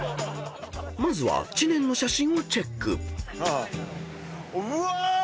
［まずは知念の写真をチェック］うわ！